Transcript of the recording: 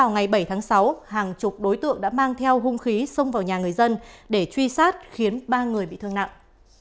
ngày bảy tháng sáu hàng chục đối tượng đã mang theo hung khí xông vào nhà người dân để truy sát khiến ba người bị thương nặng